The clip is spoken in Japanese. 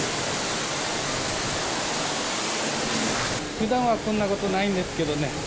ふだんはこんなことないんですけどね。